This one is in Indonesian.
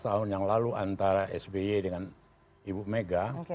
delapan belas tahun yang lalu antara sby dengan bumega